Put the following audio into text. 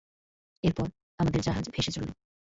এরপর, আমাদের জাহাজ ভেসে চলল।